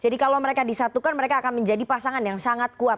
jadi kalau mereka disatukan mereka akan menjadi pasangan yang sangat kuat